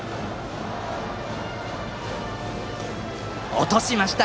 落としました！